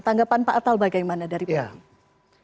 tanggapan pak atal bagaimana dari pak